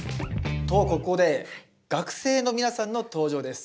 とここで学生の皆さんの登場です。